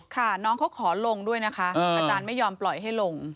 ค่ะน้องเขาขอลงด้วยนะคะอาจารย์ไม่ยอมปล่อยให้ลง